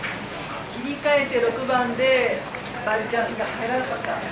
切り替えて６番でバーディーチャンスで入らなかった。